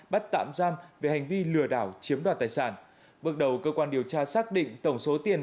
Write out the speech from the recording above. bắt tạm giam về hành vi lừa đảo chiếm đoạt tài sản bước đầu cơ quan điều tra xác định tổng số tiền